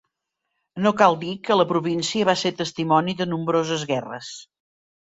No cal dir que la província va ser testimoni de nombroses guerres.